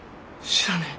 知らねえ！